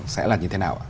sẽ là như thế nào